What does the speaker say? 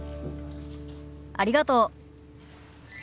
ありがとう。